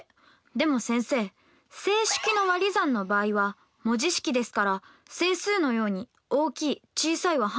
でも先生整式のわり算の場合は文字式ですから整数のように大きい小さいは判断できませんよね。